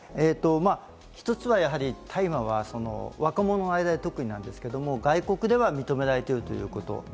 １つは、大麻は若者の間で特になんですけれども、外国では認められているということ。